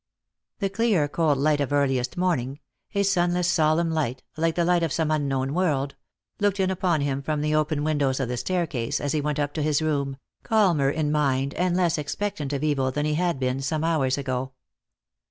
The clear cold light of earliest morning — a sunless solemn light, like the light of some unknown world — looked in upon him from the open windows of the staircase as he went up to his room, calmer in mind and less expectant of evil than he had been some hours ago.